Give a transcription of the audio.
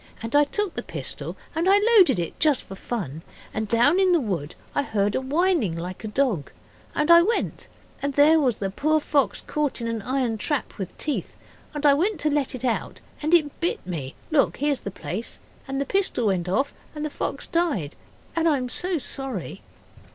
And I took the pistol. And I loaded it just for fun. And down in the wood I heard a whining like a dog, and I went, and there was the poor fox caught in an iron trap with teeth. And I went to let it out and it bit me look, here's the place and the pistol went off and the fox died, and I am so sorry.